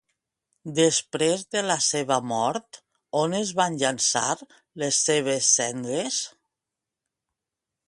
Després de la seva mort, on es van llençar les seves cendres?